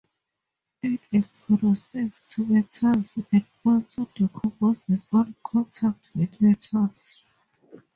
It is corrosive to metals and also decomposes on contact with metals.